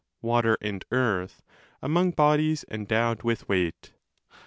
water and earth) among bodies endowed with weight.